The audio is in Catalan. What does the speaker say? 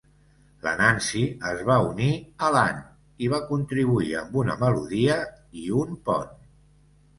La Nancy es va unir a l'Ann i va contribuir amb una melodia, i un pont